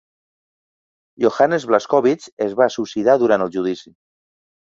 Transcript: Johannes Blaskowitz es va suïcidar durant el judici.